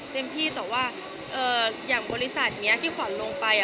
เต็มที่แต่ว่าอย่างบริษัทนี้ที่ขวัญลงไป